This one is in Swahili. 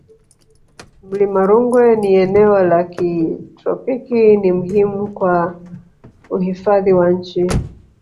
mlima rungwe ni eneo la kitropiki ni muhimu kwa uhifadhi wa nchi